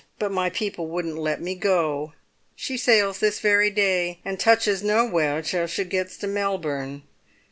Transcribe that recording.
But my people wouldn't let me go. She sails this very day, and touches nowhere till she gets to Melbourne.